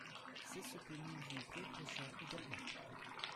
C’est ce que nous vous reprochons également.